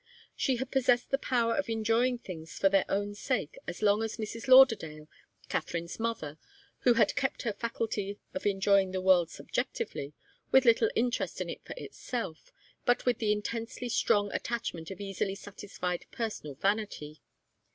She had possessed the power of enjoying things for their own sake as long as Mrs. Lauderdale, Katharine's mother, who had kept her faculty of enjoying the world subjectively, with little interest in it for itself, but with the intensely strong attachment of easily satisfied personal vanity.